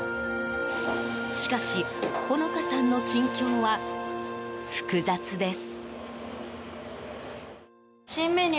しかし穂乃花さんの心境は複雑です。